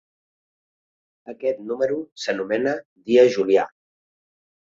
Aquest número s'anomena dia julià.